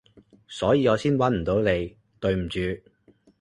所以我先搵唔到你，對唔住